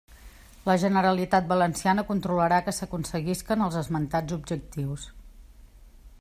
La Generalitat Valenciana controlarà que s'aconseguisquen els esmentats objectius.